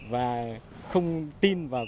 và không tin vào